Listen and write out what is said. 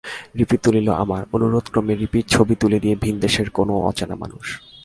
রিপি তুলল আমার, অনুরোধক্রমে রিপির ছবি তুলে দেয় ভিনদেশের কোনো অচেনা মানুষ।